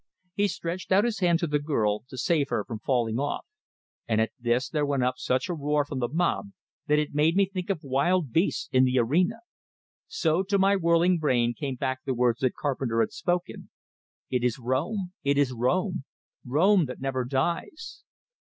He stretched out his hand to the girl, to save her from falling off; and at this there went up such a roar from the mob, that it made me think of wild beasts in the arena. So to my whirling brain came back the words that Carpenter had spoken: "It is Rome! It is Rome! Rome that never dies!"